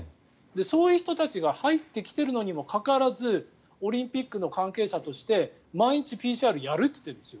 そういう人たちが入ってきているのにもかかわらずオリンピックの関係者として毎日ＰＣＲをやるって言っているんですよ。